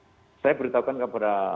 jadi saya beritahukan kepada